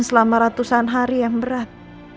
selama ratusan hari yang berat